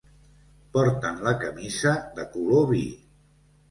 Porten la camisa de color vi.